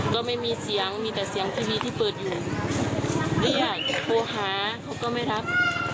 ก็ไม่มีเสียงมีแต่เสียงทีวีที่เปิดอยู่เรียกโทรหาเขาก็ไม่รับ